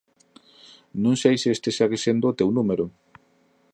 Non sei nin se este segue sendo o teu número.